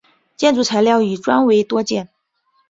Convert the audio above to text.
建筑材料以砖为多见。